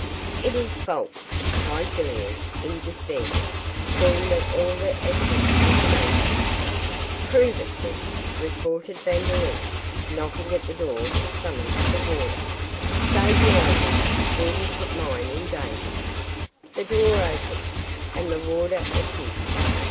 'It is false!' cried Villiers, in despair, seeing that all the evidence was against him. 'Prove it, then,' retorted Vandeloup, knocking at the door to summon the warder. 'Save your own neck before you put mine in danger.' The door opened, and the warder appeared.